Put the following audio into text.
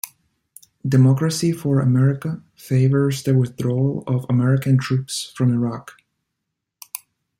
Democracy for America favors the withdrawal of American troops from Iraq.